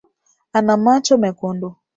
Ana macho mekundu